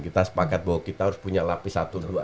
kita sepakat bahwa kita harus punya lapis satu dua